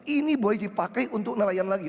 ini boleh dipakai untuk nelayan lagi